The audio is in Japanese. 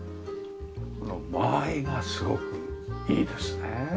この間合いがすごくいいですね。